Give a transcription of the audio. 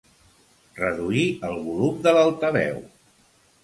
Reduir el volum de l'altaveu.